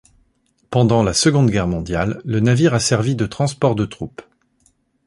Pendant la Seconde Guerre mondiale, le navire a servi de transport de troupes.